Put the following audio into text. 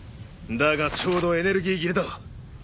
だがちょうどエネルギー切れだ。